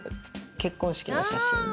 結婚式の写真で。